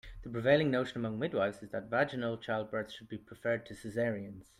The prevailing notion among midwifes is that vaginal childbirths should be preferred to cesareans.